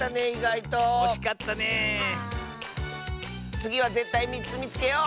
つぎはぜったい３つみつけよう！